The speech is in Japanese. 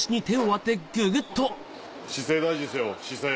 姿勢大事ですよ姿勢。